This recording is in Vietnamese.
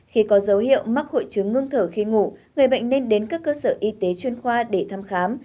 khi có dấu hiệu mắc hội chứng ngưng thở khi ngủ người bệnh nên đến các cơ sở y tế chuyên khoa để thăm khám